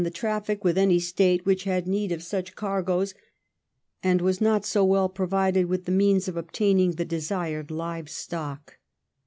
135 the traffic with any State which had need of such cargoes and was not so well provided with the means of obtaining the desired live stock.